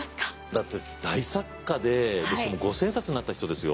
だって大作家でしかも五千円札になった人ですよ？